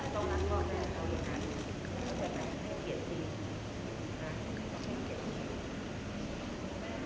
สวัสดีครับสวัสดีครับ